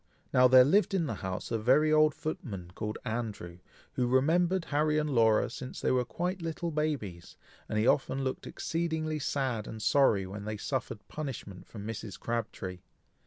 Now, there lived in the house a very old footman, called Andrew, who remembered Harry and Laura since they were quite little babies; and he often looked exceedingly sad and sorry when they suffered punishment from Mrs. Crabtree.